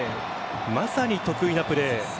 まさに得意なプレー。